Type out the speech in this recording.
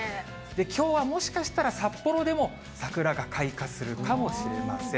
きょうはもしかしたら、札幌でも桜が開花するかもしれません。